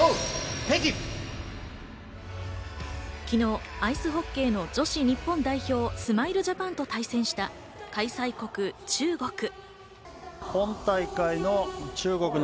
昨日、アイスホッケーの女子日本代表・スマイルジャパンと対戦した開催国・中国。